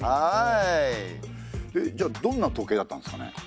じゃあどんな時計だったんですかね？